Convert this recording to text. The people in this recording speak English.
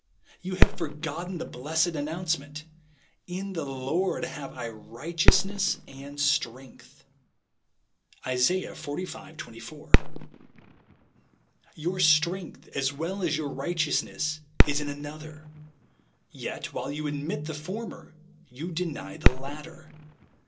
You have forgotten the blessed announcement, "In the Lord have I righteousness and strength" (Isa. xlv. 24). Your strength, as well as your righteousness, is in another ; yet, while you admit the former, you deny the latter.